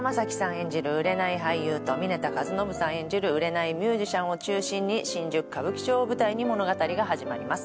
演じる売れない俳優と峯田和伸さん演じる売れないミュージシャンを中心に新宿歌舞伎町を舞台に物語が始まります